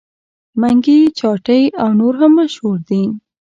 منګي چاټۍ او نور هم مشهور دي.